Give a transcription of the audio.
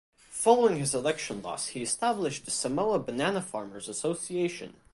Following his election loss he established the Samoa Banana Farmers Association.